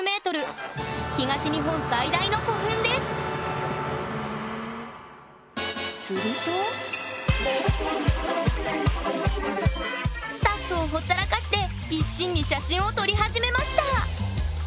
東日本最大の古墳ですするとスタッフをほったらかして一心に写真を撮り始めました！